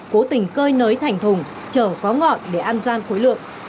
cố tình cơi nới thành thùng chở có ngọn để ăn gian khối lượng